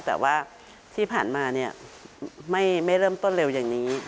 แต่ว่าที่ผ่านมาไม่เริ่มต้นเร็วอย่างนี้